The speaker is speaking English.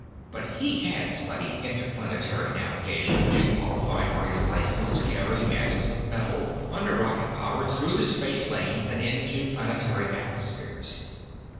But he had studied interplanetary navigation, to qualify for his license to carry masses of metal under rocket power through the space lanes and into planetary atmospheres.